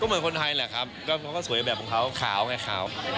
เหมือนคนไทยแหละครับก็เขาก็สวยแบบของเขาขาวไงขาว